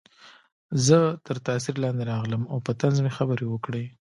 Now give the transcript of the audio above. زه تر تاثیر لاندې راغلم او په طنز مې خبرې وکړې